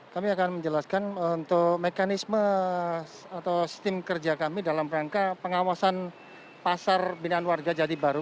kami akan menjelaskan untuk mekanisme atau sistem kerja kami dalam rangka pengawasan pasar binaan warga jati baru